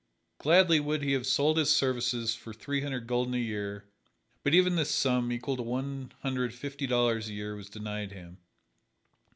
Gladly would he have sold his services for three hundred gulden a year, but even this sum, equal to one hundred fifty dollars a year, was denied him.